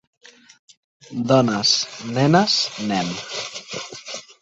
Dones, nenes, nen...